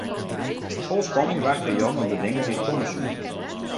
Fol spanning wachte Jan op de dingen dy't komme soene.